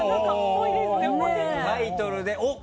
タイトルでおっ！